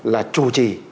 là chủ trì